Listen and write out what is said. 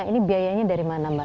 ini biayanya dari mana mbak